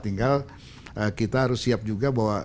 tinggal kita harus siap juga bahwa